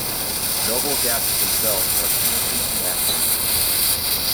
Noble gases themselves are chemically inactive.